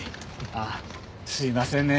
あっすいませんね。